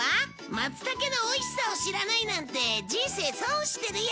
松たけのおいしさを知らないなんて人生損してるよ